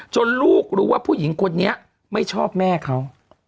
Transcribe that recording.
ลูกรู้ว่าผู้หญิงคนนี้ไม่ชอบแม่เขา